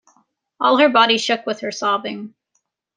All her body shook with her sobbing.